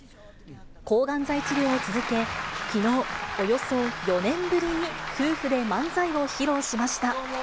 抗がん剤治療を続け、きのう、およそ４年ぶりに夫婦で漫才を披露しました。